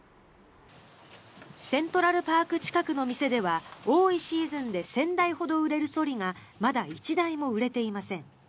セントラルパーク近くの店では多いシーズンで１０００台ほど売れるそりがまだ１台も売れていません。